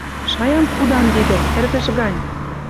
Шаям худам видӓ, ӹрвӹж гань.